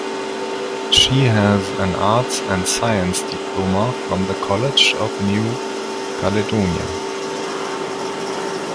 She has an arts and sciences diploma from the College of New Caledonia.